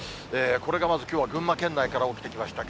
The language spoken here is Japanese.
これがまずきょうは群馬県内から起きてきました。